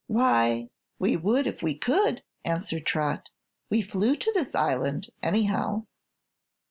"Why, we would if we could," answered Trot. "We flew to this island, anyhow."